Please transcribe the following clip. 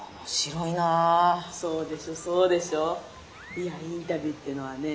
いやインタビューってのはね